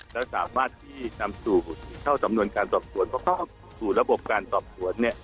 และสามารถที่ทำสู่เท่าสำนวนการตอบส่วนเพราะถ้าสู่ระบบการตอบส่วน